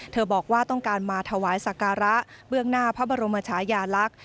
บอกว่าต้องการมาถวายสักการะเบื้องหน้าพระบรมชายาลักษณ์